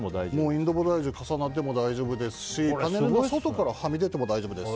インドボダイジュは重なっても大丈夫ですしパネルの外にはみ出ても大丈夫です。